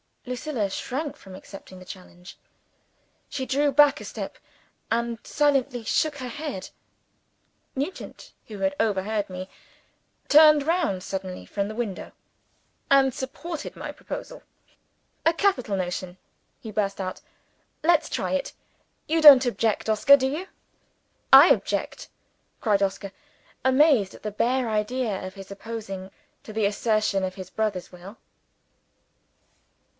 Lucilla shrank from accepting the challenge. She drew back a step, and silently shook her head. Nugent, who had overheard me, turned round suddenly from the window, and supported my proposal. "A capital notion!" he burst out. "Let's try it! You don't object, Oscar do you?" "I object?" cried Oscar amazed at the bare idea of his opposing any assertion of his will to the assertion of his brother's will.